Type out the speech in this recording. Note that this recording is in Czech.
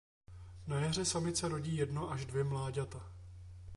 Na jaře samice rodí jedno až dvě mláďata.